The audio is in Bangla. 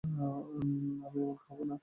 আমি এখন খাব না!